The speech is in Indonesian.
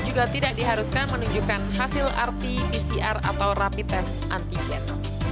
juga tidak diharuskan menunjukkan hasil rt pcr atau rapi tes antigen